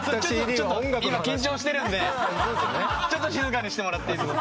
今緊張してるんで静かにしてもらっていいですか？